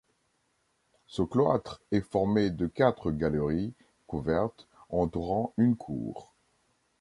Ce cloître est formé de quatre galeries couvertes entourant une cour.